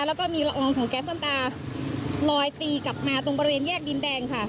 แล้วก็มีละอองของแก๊สน้ำตาลอยตีกลับมาตรงบริเวณแยกดินแดงค่ะ